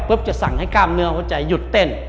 จะสั่งให้กล้ามเนื้อหัวใจหยุดเต้น